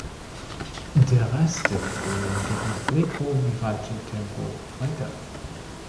Der Rest der Bewegung geht mit allegro vivace tempo weiter.